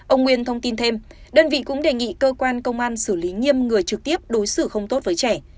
ông nguyên thông tin thêm đơn vị cũng đề nghị cơ quan công an xử lý nghiêm người trực tiếp đối xử không tốt với trẻ